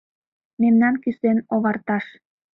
Мемнан кӱсен оварташ